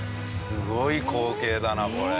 すごい光景だなこれ。